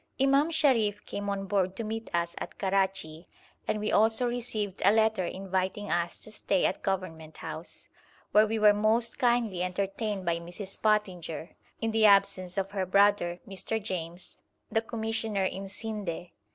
Imam Sharif came on board to meet us at Karachi, and we also received a letter inviting us to stay at Government House, where we were most kindly entertained by Mrs. Pottinger, in the absence of her brother, Mr. James, the Commissioner in Scinde.